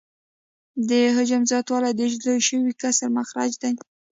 د حجم زیاتوالی د لوی شوي کسر مخرج دی